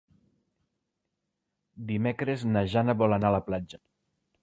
Dimecres na Jana vol anar a la platja.